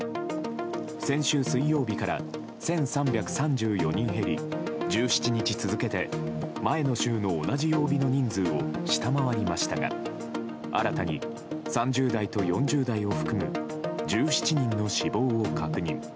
先週水曜日から１３３４人減り１７日続けて、前の週の同じ曜日の人数を下回りましたが新たに３０代と４０代を含む１７人の死亡を確認。